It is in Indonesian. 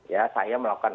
ya saya melakukan